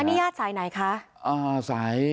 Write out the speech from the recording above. นี่ญาติสายไหนคะ